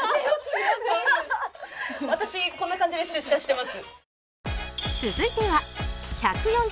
私、こんな感じで出社してます。